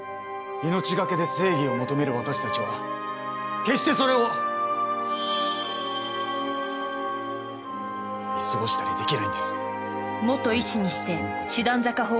命懸けで正義を求める私たちは決してそれを見過ごしたりできないんです。